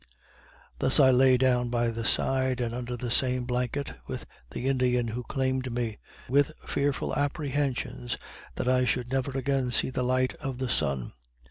Thus I lay me down by the side, and under the same blanket, with the Indian who claimed me, with fearful apprehensions that I should never again see the light of the sun.